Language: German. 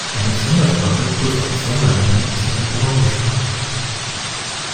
Eine Assemblersprache, kurz auch Assembler genannt, ist eine Programmiersprache.